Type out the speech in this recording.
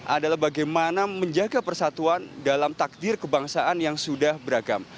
adalah bagaimana menjaga persatuan dalam takdir kebangsaan yang sudah beragam